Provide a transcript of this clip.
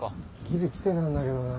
ギリ来てたんだけどな。